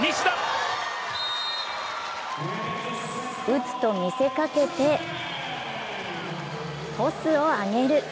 打つと見せかけて、トスを上げる。